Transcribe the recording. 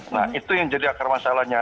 nah itu yang jadi akar masalahnya